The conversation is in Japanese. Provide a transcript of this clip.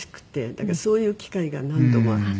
だからそういう機会が何度もあって。